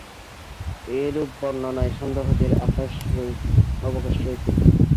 এরূপ বর্ণনায় সন্দেহের অবকাশ রয়েছে।